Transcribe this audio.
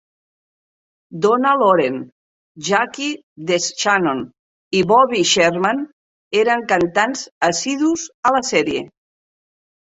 Donna Loren, Jackie DeShannon i Bobby Sherman eren cantants assidus a la sèrie.